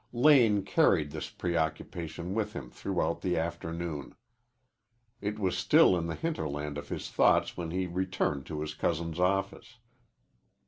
Lane carried this preoccupation with him throughout the afternoon. It was still in the hinterland of his thoughts when he returned to his cousin's office.